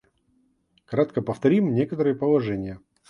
Кратко повторим некоторые положения.